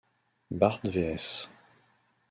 Bart vs.